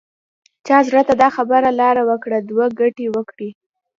چا زړه ته دا خبره لاره وکړي دوه ګټې وکړي.